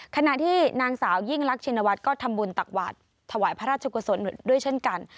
ขณะที่นางสาวยิ่งรักชินวัฒน์ก็ทำบุญตักบาทถวายพระราชกุศลด้วยเช่นกัน